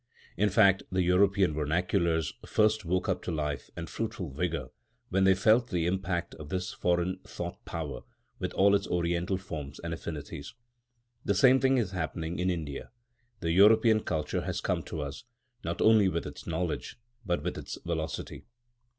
In fact, the European vernaculars first woke up to life and fruitful vigour when they felt the impact of this foreign thought power with all its oriental forms and affinities. The same thing is happening in India. The European culture has come to us, not only with its knowledge, but with its velocity.